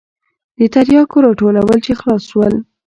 د ترياکو راټولول چې خلاص سول.